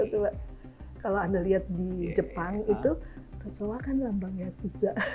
coba kalau anda lihat di jepang itu kecoa kan lambang yakuza